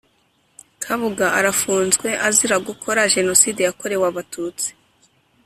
Kabuga arafunzwe azira gukora genocide yakorewe abatutsi